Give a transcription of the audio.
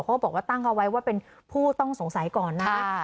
เขาบอกว่าตั้งเอาไว้ว่าเป็นผู้ต้องสงสัยก่อนนะครับ